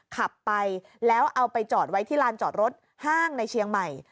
ขับไปแล้วเอาไปจอดไว้ที่ลานจอดรถห้างในเชียงใหม่